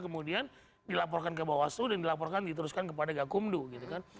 kemudian dilaporkan ke bawaslu dan dilaporkan diteruskan kepada gakumdu gitu kan